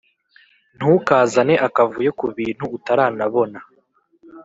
Ntukazane akavuyo kubintu utaranabona